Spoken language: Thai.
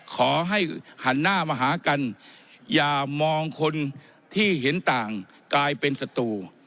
ขอให้หันหน้ามาหากันอย่ามองคนที่เห็นต่างกลายเป็นศัตรู